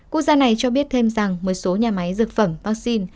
quốc gia này cho biết thêm rằng một số nhà máy dược phẩm vaccine